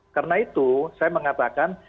karena itu saya mengatakan